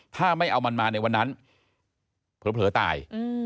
ถ้าไม่เอามันมาในวันนั้นเผลอตาย